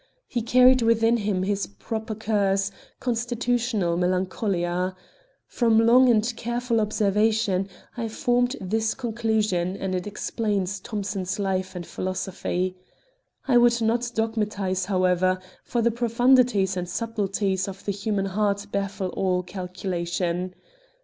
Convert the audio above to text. He carried within him his proper curse, constitutional melancholia. From long and careful observation I formed this conclusion, and it explains Thomson's life and philosophy. I would not dogmatise, however; for the profundities and subtleties of the human heart baffle all calculation.